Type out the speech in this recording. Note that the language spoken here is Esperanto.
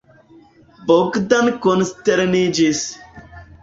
Bogdan konsterniĝis.